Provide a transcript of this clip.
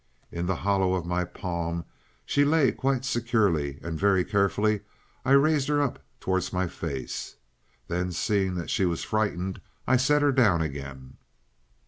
In the hollow of my palm, she lay quite securely, and very carefully I raised her up towards my face. Then, seeing that she was frightened, I set her down again.